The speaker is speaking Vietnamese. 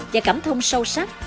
và cảm thông sâu sắc